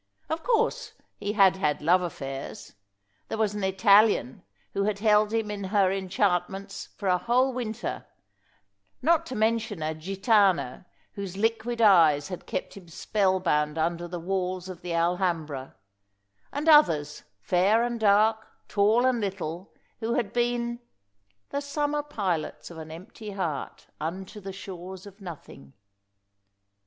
Of course he had had love affairs. There was an Italian who had held him in her enchantments for a whole winter, not to mention a gitàna, whose liquid eyes had kept him spell bound under the walls of the Alhambra, and others, fair and dark, tall and little, who had been "The summer pilots of an empty heart Unto the shores of nothing."